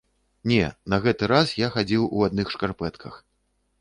Не, на гэты раз я хадзіў у адных шкарпэтках.